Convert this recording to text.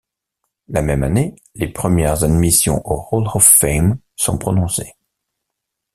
La même année, les premières admissions au Hall of Fame sont prononcées.